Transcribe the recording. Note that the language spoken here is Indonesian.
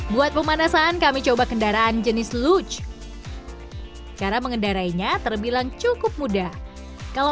buat pemanasan kami coba kendaraan jenis lucch cara mengendarainya terbilang cukup mudah kalau